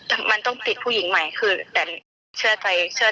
ร่วมติดผู้หญิงใหม่แต่พ่อก็ไม่เชื่อ